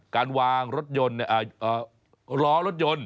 การวางรถยนต์ล้อรถยนต์